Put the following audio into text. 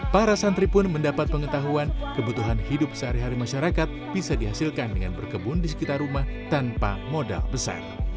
para santri pun mendapat pengetahuan kebutuhan hidup sehari hari masyarakat bisa dihasilkan dengan berkebun di sekitar rumah tanpa modal besar